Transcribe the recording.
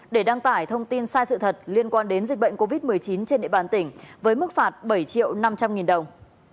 để đăng tải thông tin sai sự thật liên quan đến dịch bệnh covid một mươi chín trên địa bàn tỉnh với mức phạt bảy triệu năm trăm linh nghìn đồng